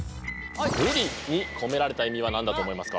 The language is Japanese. ブリに込められた意味は何だと思いますか？